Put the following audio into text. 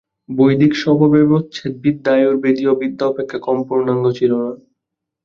বৈদিক শব-ব্যবচ্ছেদ-বিদ্যা আয়ুর্বেদীয় বিদ্যা অপেক্ষা কম পূর্ণাঙ্গ ছিল না।